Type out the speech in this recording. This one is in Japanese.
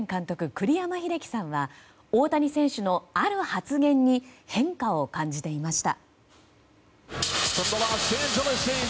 栗山英樹さんは大谷選手のある発言に変化を感じていました。